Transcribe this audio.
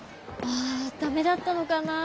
あ駄目だったのかなあ。